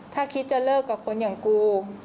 ถ้าคิดจะเลิกกับคนอย่างกู